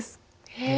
へえ。